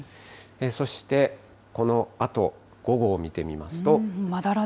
そしてこのあと、午後を見てみますと。